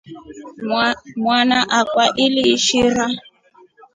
Mwana akwa aliishira.